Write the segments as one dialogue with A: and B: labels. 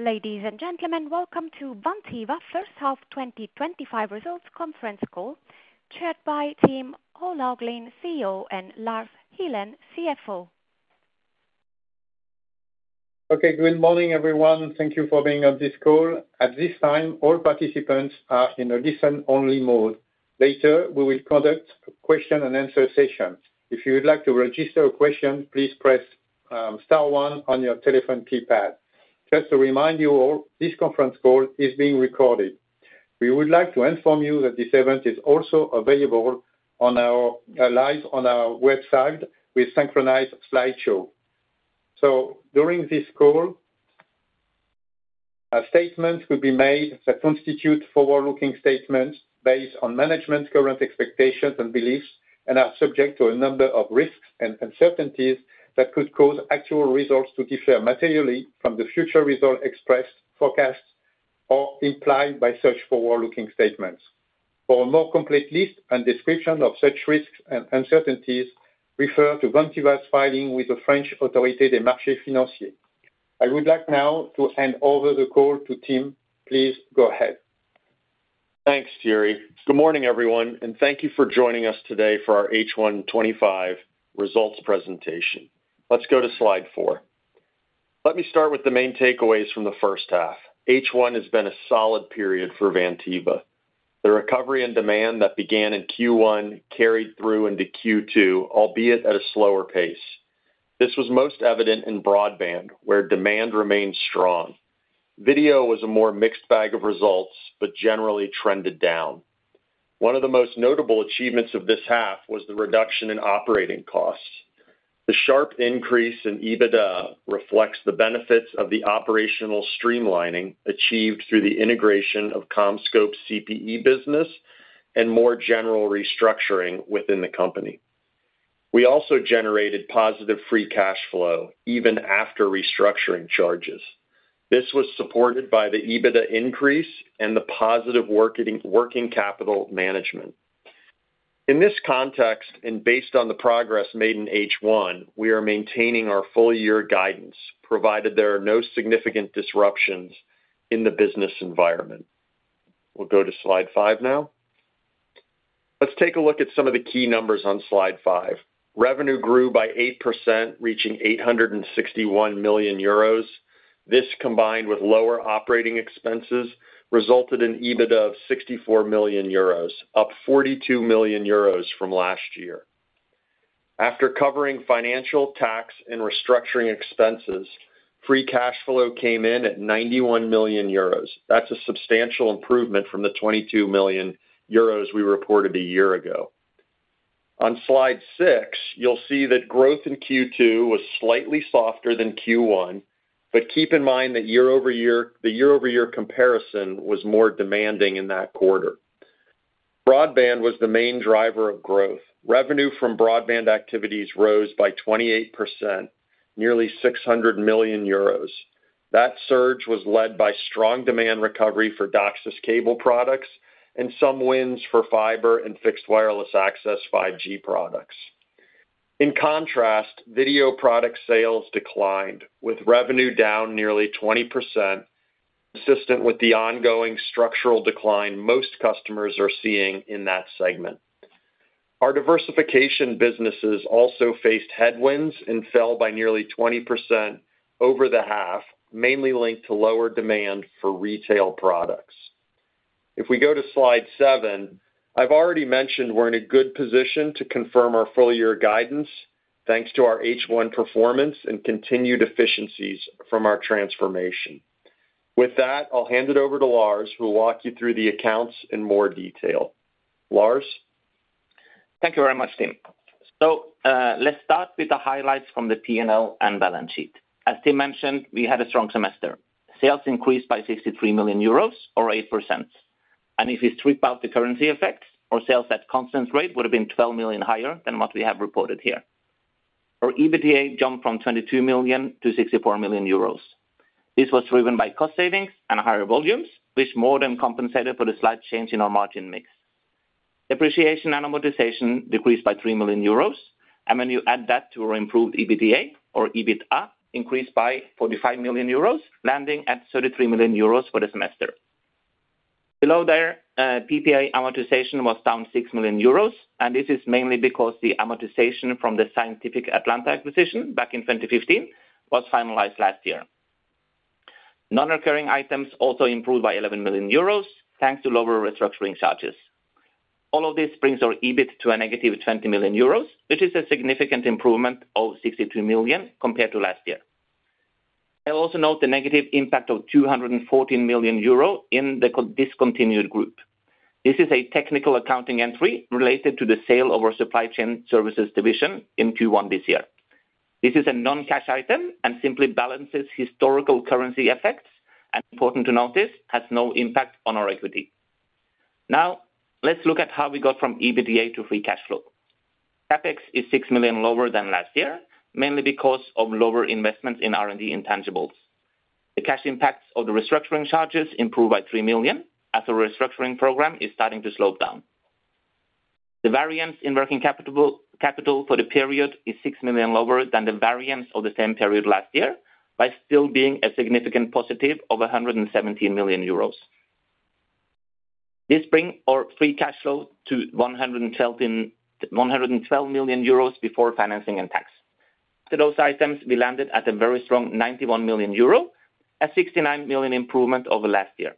A: Ladies and gentlemen, welcome to Vantiva first half 2025 results conference call, chaired by Tim O'Loughlin, CEO, and Lars Ihlen, CFO.
B: Okay, good morning everyone. Thank you for being on this call. At this time, all participants are in a listen-only mode. Later, we will conduct a question-and-answer session. If you would like to register a question, please press star one on your telephone keypad. Just to remind you all, this conference call is being recorded. We would like to inform you that this event is also available live on our website with synchronized slideshow. During this call, a statement could be made that constitutes forward-looking statements based on management's current expectations and beliefs and are subject to a number of risks and uncertainties that could cause actual results to differ materially from the future result expressed, forecast, or implied by such forward-looking statements. For a more complete list and description of such risks and uncertainties, refer to Vantiva's filing with the French Autorité des Marchés Financiers. I would like now to hand over the call to Tim. Please go ahead.
C: Thanks, Thierry. Good morning everyone, and thank you for joining us today for our H1 2025 results presentation. Let's go to slide four. Let me start with the main takeaways from the first half. H1 has been a solid period for Vantiva. The recovery in demand that began in Q1 carried through into Q2, albeit at a slower pace. This was most evident in broadband, where demand remained strong. Video was a more mixed bag of results, but generally trended down. One of the most notable achievements of this half was the reduction in operating costs. The sharp increase in EBITDA reflects the benefits of the operational streamlining achieved through the integration of CommScope's CPE business and more general restructuring within the company. We also generated positive free cash flow, even after restructuring charges. This was supported by the EBITDA increase and the positive working capital management. In this context, and based on the progress made in H1, we are maintaining our full-year guidance, provided there are no significant disruptions in the business environment. We'll go to slide five now. Let's take a look at some of the key numbers on slide five. Revenue grew by 8%, reaching 861 million euros. This, combined with lower operating expenses, resulted in EBITDA of 64 million euros, up 42 million euros from last year. After covering financial, tax, and restructuring expenses, free cash flow came in at 91 million euros. That's a substantial improvement from the 22 million euros we reported a year ago. On slide six, you'll see that growth in Q2 was slightly softer than Q1, but keep in mind that the year-over-year comparison was more demanding in that quarter. Broadband was the main driver of growth. Revenue from broadband activities rose by 28%, nearly 600 million euros. That surge was led by strong demand recovery for DOCSIS cable products and some wins for fiber and fixed wireless access 5G products. In contrast, video product sales declined, with revenue down nearly 20%, consistent with the ongoing structural decline most customers are seeing in that segment. Our diversification businesses also faced headwinds and fell by nearly 20% over the half, mainly linked to lower demand for retail products. If we go to slide seven, I've already mentioned we're in a good position to confirm our full-year guidance, thanks to our H1 performance and continued efficiencies from our transformation. With that, I'll hand it over to Lars, who will walk you through the accounts in more detail. Lars.
D: Thank you very much, Tim. Let's start with the highlights from the P&L and balance sheet. As Tim mentioned, we had a strong semester. Sales increased by 63 million euros, or 8%. If we strip out the currency effects, our sales at constant rate would have been 12 million higher than what we have reported here. Our EBITDA jumped from 22 million to 64 million euros. This was driven by cost savings and higher volumes, which more than compensated for the slight change in our margin mix. Depreciation and amortization decreased by 3 million euros, and when you add that to our improved EBITDA, our EBITDA increased by 45 million euros, landing at 33 million euros for the semester. Below there, PPA amortization was down 6 million euros, and this is mainly because the amortization from the Scientific Atlanta acquisition back in 2015 was finalized last year. Non-recurring items also improved by 11 million euros, thanks to lower restructuring charges. All of this brings our EBIT to a negative 20 million euros, which is a significant improvement of 62 million compared to last year. I also note the negative impact of 214 million euro in the discontinued group. This is a technical accounting entry related to the sale of our supply chain services division in Q1 this year. This is a non-cash item and simply balances historical currency effects, and it's important to note this has no impact on our equity. Now, let's look at how we got from EBITDA to free cash flow. CapEx is 6 million lower than last year, mainly because of lower investments in R&D intangibles. The cash impacts of the restructuring charges improved by 3 million, as our restructuring program is starting to slow down. The variance in working capital for the period is 6 million lower than the variance of the same period last year, by still being a significant positive of 117 million euros. This brings our free cash flow to 112 million euros before financing and tax. To those items, we landed at a very strong 91 million euro, a 69 million improvement over last year.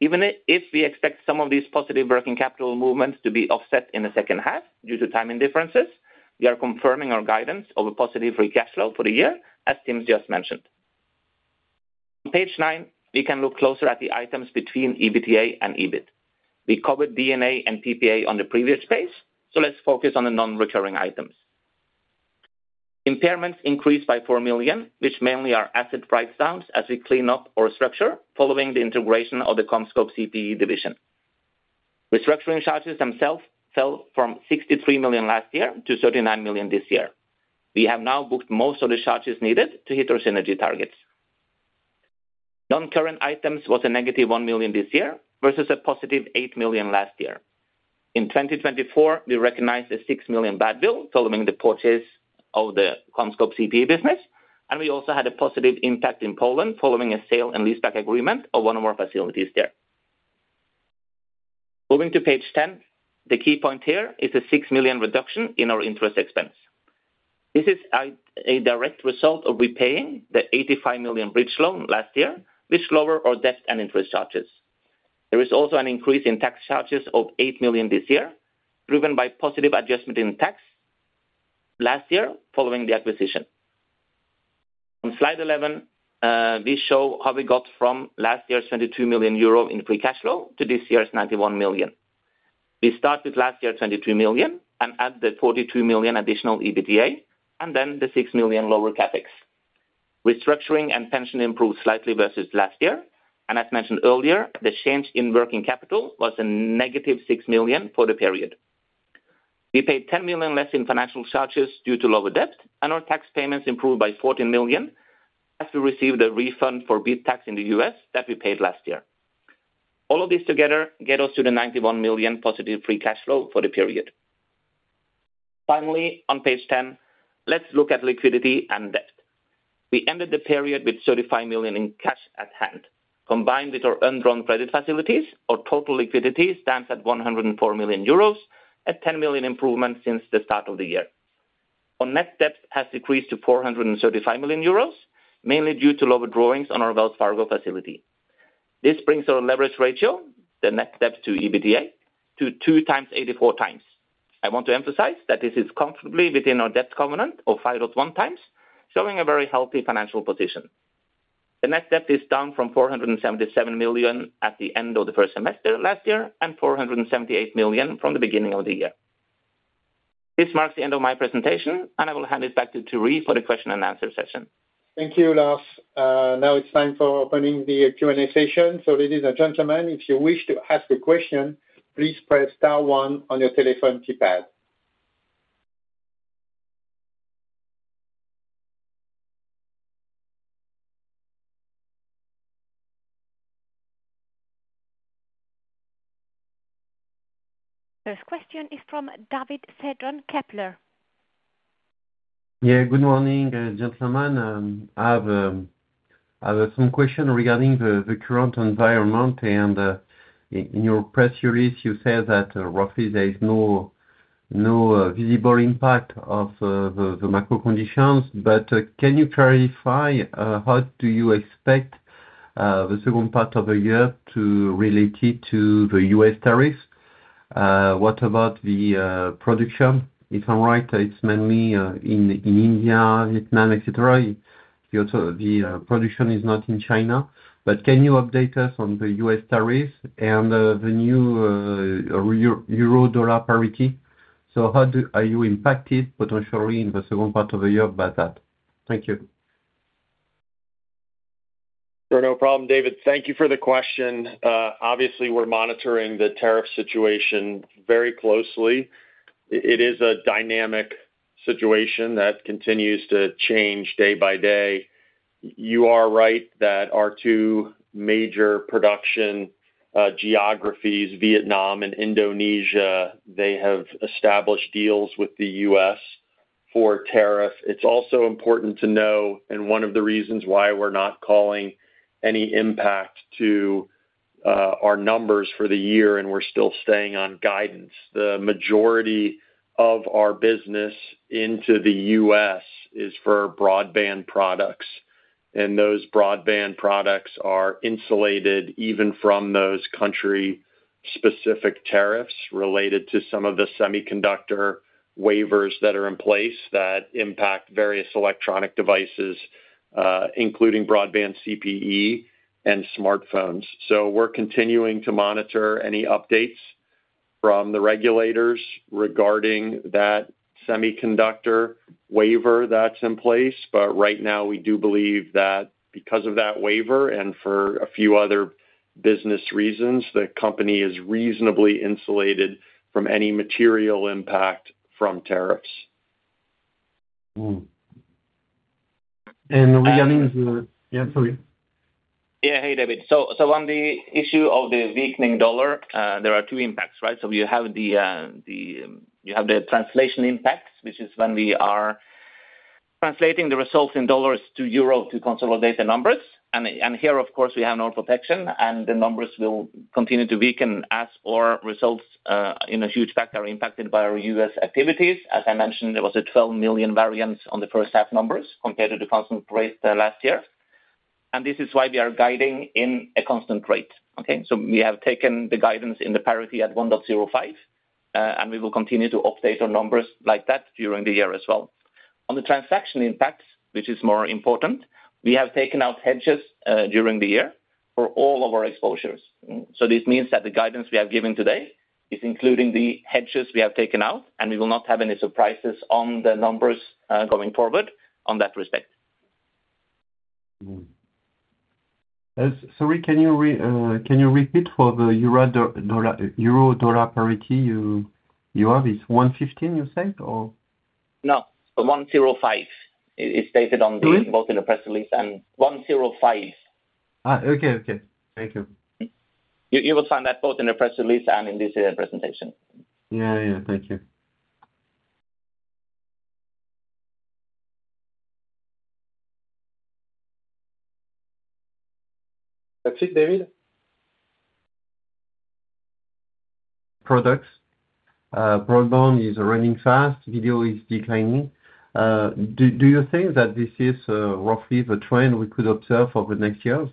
D: Even if we expect some of these positive working capital movements to be offset in the second half due to timing differences, we are confirming our guidance of a positive free cash flow for the year, as Tim just mentioned. On page nine, we can look closer at the items between EBITDA and EBIT. We covered D&A and PPA on the previous page, so let's focus on the non-recurring items. Impairments increased by $4 million, which mainly are asset write-downs as we clean up our structure following the integration of the CommScope CPE division. Restructuring charges themselves fell from $63 million last year to $39 million this year. We have now booked most of the charges needed to hit our synergy targets. Non-current items were a -$1 million this year versus a +$8 million last year. In 2024, we recognized a $6 million bad debt following the purchase of the CommScope CPE business, and we also had a positive impact in Poland following a sale and leaseback agreement of one of our facilities there. Moving to page 10, the key point here is a $6 million reduction in our interest expense. This is a direct result of repaying the $85 million bridge loan last year, which lowered our debt and interest charges. There is also an increase in tax charges of $8 million this year, driven by a positive adjustment in tax last year following the acquisition. On slide 11, we show how we got from last year's 22 million euro in free cash flow to this year's 91 million. We start with last year's 23 million and add the 42 million additional EBITDA and then the 6 million lower CapEx. Restructuring and pension improved slightly versus last year, and as mentioned earlier, the change in working capital was a -6 million for the period. We paid 10 million less in financial charges due to lower debt, and our tax payments improved by 14 million as we received a refund for BID tax in the U.S. that we paid last year. All of this together gave us the 91 million+ free cash flow for the period. Finally, on page 10, let's look at liquidity and debt. We ended the period with 35 million in cash at hand. Combined with our undrawn credit facilities, our total liquidity stands at 104 million euros, a 10 million improvement since the start of the year. Our net debt has decreased to 435 million euros, mainly due to lower drawings on our Wells Fargo facility. This brings our leverage ratio, the net debt to EBITDA, to 2.84x. I want to emphasize that this is comfortably within our debt covenant of 5.1x, showing a very healthy financial position. The net debt is down from 477 million at the end of the first semester last year and 478 million from the beginning of the year. This marks the end of my presentation, and I will hand it back to Thierry for the question and answer session.
B: Thank you, Lars. Now it's time for opening the Q&A session. Ladies and gentlemen, if you wish to ask a question, please press star one on your telephone keypad.
A: First question is from David Cerdan, Kepler.
E: Yeah, good morning, gentlemen. I have some questions regarding the current environment, and in your press release, you said that roughly there is no visible impact of the macro conditions, but can you clarify how you expect the second part of the year to relate to the U.S. tariffs? What about the production? If I'm right, it's mainly in Indonesia, Vietnam, etc. The production is not in China, but can you update us on the U.S. tariffs and the new euro-dollar parity? How are you impacted potentially in the second part of the year by that? Thank you.
C: No problem, David. Thank you for the question. Obviously, we're monitoring the tariff situation very closely. It is a dynamic situation that continues to change day by day. You are right that our two major production geographies, Vietnam and Indonesia, have established deals with the U.S. for tariff. It's also important to know, and one of the reasons why we're not calling any impact to our numbers for the year, we're still staying on guidance. The majority of our business into the U.S. is for broadband products, and those broadband products are insulated even from those country-specific tariffs related to some of the semiconductor waivers that are in place that impact various electronic devices, including broadband CPE and smartphones. We're continuing to monitor any updates from the regulators regarding that semiconductor waiver that's in place, but right now we do believe that because of that waiver and for a few other business reasons, the company is reasonably insulated from any material impact from tariffs.
E: Regarding the... Sorry.
D: Yeah, hey David. On the issue of the weakening dollar, there are two impacts, right? You have the translation impact, which is when we are translating the resulting dollars to euros to consolidate the numbers. Here, of course, we have no protection, and the numbers will continue to weaken as our results in APAC are impacted by our U.S. activities. As I mentioned, there was a 12 million variance on the first half numbers compared to the constant rate last year, and this is why we are guiding in a constant rate. We have taken the guidance in the parity at 1.05, and we will continue to update our numbers like that during the year as well. On the transaction impact, which is more important, we have taken out hedges during the year for all of our exposures. This means that the guidance we have given today is including the hedges we have taken out, and we will not have any surprises on the numbers going forward in that respect.
E: Sorry, can you repeat for the euro-dollar parity you have? It's 1.15, you said, or?
D: No, 1.05. It's stated on the boat in the press release, and 1.05.
E: Thank you.
D: You will find that both in the press release and in this presentation.
E: Yeah, thank you.
D: Actually, David?
E: Products. Broadband is running fast. Video is declining. Do you think that this is roughly the trend we could observe over the next year?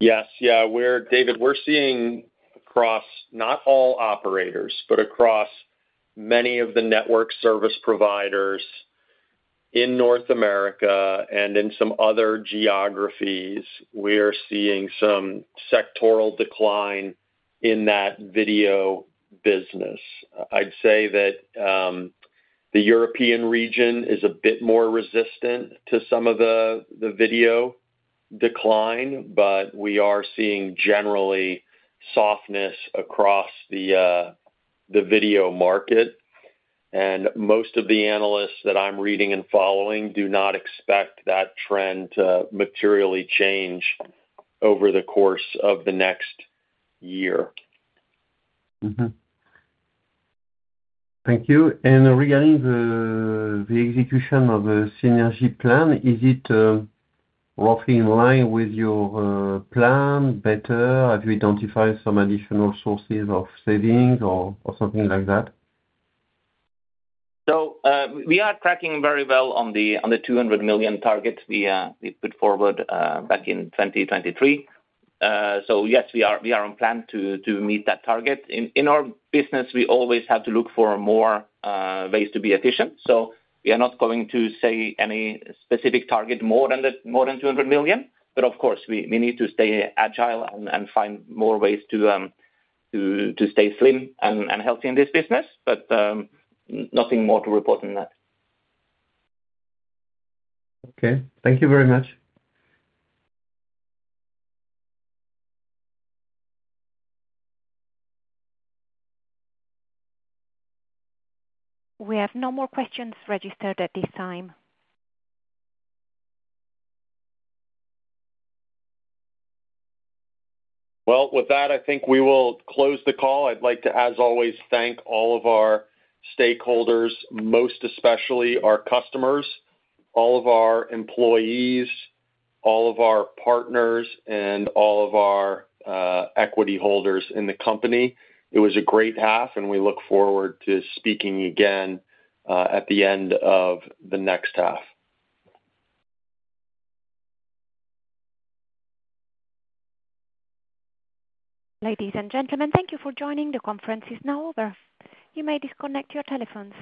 C: Yes, yeah. David, we're seeing across not all operators, but across many of the network service providers in North America and in some other geographies, we are seeing some sectoral decline in that video business. I'd say that the European region is a bit more resistant to some of the video decline, but we are seeing generally softness across the video market, and most of the analysts that I'm reading and following do not expect that trend to materially change over the course of the next year.
E: Thank you. Regarding the execution of the synergy plan, is it roughly in line with your plan? Better? Have you identified some additional sources of savings or something like that?
D: We are tracking very well on the $200 million target we put forward back in 2023. Yes, we are on plan to meet that target. In our business, we always have to look for more ways to be efficient. We are not going to say any specific target more than $200 million, but of course, we need to stay agile and find more ways to stay slim and healthy in this business, but nothing more to report on that.
E: Okay, thank you very much.
A: We have no more questions registered at this time.
C: I think we will close the call. I'd like to, as always, thank all of our stakeholders, most especially our customers, all of our employees, all of our partners, and all of our equity holders in the company. It was a great half, and we look forward to speaking again at the end of the next half.
A: Ladies and gentlemen, thank you for joining. The conference is now over. You may disconnect your telephones.